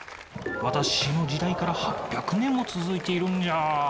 私の時代から８００年も続いているんじゃ。